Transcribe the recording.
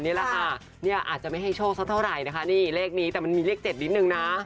นี่แหละค่ะเนี่ยอาจจะไม่ให้โชคสักเท่าไหร่นะคะนี่เลขนี้แต่มันมีเลข๗นิดนึงนะ